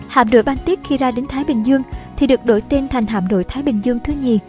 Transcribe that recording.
hạm đội ban tiết khi ra đến thái bình dương thì được đổi tên thành hạm đội thái bình dương thứ hai